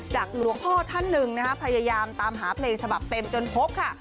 จากหัวพ่อท่านหนึ่งพยายามหาเพลงฉบับเต็มจนพบค่ะ